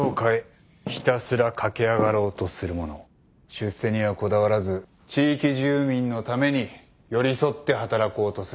出世にはこだわらず地域住民のために寄り添って働こうとする者。